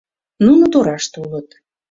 Нуно тораште улыт.